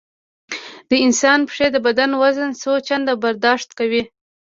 د انسان پښې د بدن وزن څو چنده برداشت کوي.